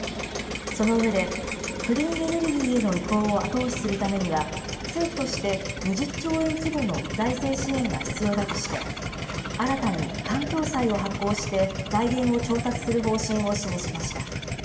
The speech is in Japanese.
その上で、クリーンエネルギーへの移行を後押しするためには、政府として２０兆円規模の財政支援が必要だとして、新たに環境債を発行して、財源を調達する方針を示しました。